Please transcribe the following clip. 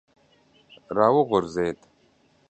را وغورځېد.